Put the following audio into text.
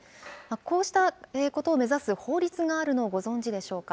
こうしたことを目指す法律があるのをご存じでしょうか？